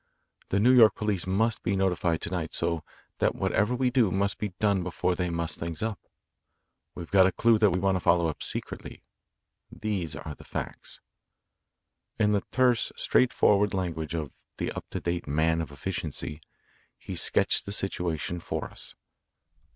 The New York police must be notified to night, so that whatever we do must be done before they muss things up. We've got a clue that we want to follow up secretly. These are the facts. In the terse, straightforward language of the up to date man of efficiency, he sketched the situation for us.